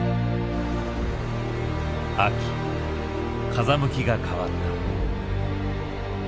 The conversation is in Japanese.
風向きが変わった。